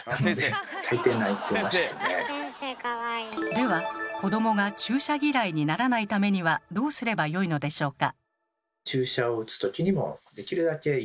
では子どもが注射嫌いにならないためにはどうすればよいのでしょうか？